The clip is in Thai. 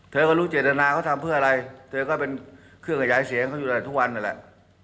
เธอก็รู้เจตนาเขาทำเพื่ออะไรเธอก็เป็นเครื่องขยายเสียงเขาอยู่แหละทุกวันนั่นแหละ